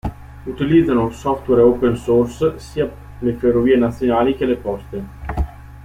Utilizzano software open source sia le ferrovie nazionali che le poste.